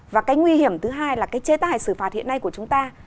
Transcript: và cái nguy hiểm thứ hai là cái chế tài xử phạt hiện nay của chúng ta